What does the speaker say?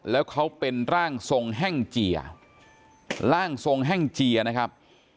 แล้วเขาเป็นร่างทรงแห้งเจียร่างทรงแห้งเจียนะครับ